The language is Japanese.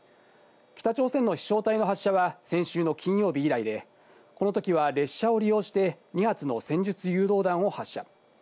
北朝鮮の飛翔体の発射は先週の金曜日以来で、この時は列車を利用して２発の戦術誘導弾を発射。